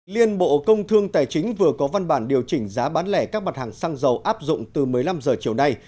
liên bộ công thương tài chính vừa có văn bản điều chỉnh giá bán lẻ các mặt hàng xăng dầu áp dụng từ một mươi năm h chiều nay